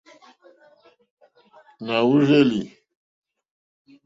Na wurzeli.